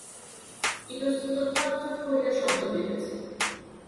ইতস্তত খট খট করিয়া শব্দ হইতেছে।